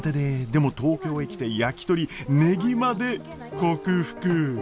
でも東京へ来て焼き鳥ねぎまで克服。